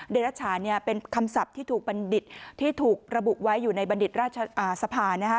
เดรัชชาเนี่ยเป็นคำศัพท์ที่ถูกบัณฑิตที่ถูกระบุไว้อยู่ในบัณฑิตราชสภานะคะ